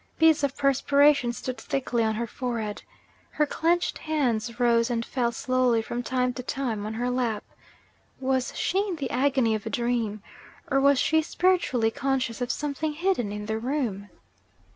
Beads of perspiration stood thickly on her forehead. Her clenched hands rose and fell slowly from time to time on her lap. Was she in the agony of a dream? or was she spiritually conscious of something hidden in the room?